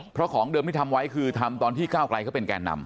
เพราะของเดิมที่ทำไว้คือทำตอนที่ก้าวไกลเขาเป็นแก่นำ